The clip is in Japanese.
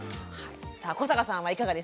さあ古坂さんはいかがでした？